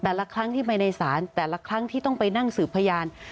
ละครั้งที่ไปในศาลแต่ละครั้งที่ต้องไปนั่งสืบพยาน